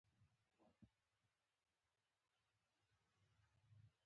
هماغه د شل ګزي بابا قبر و.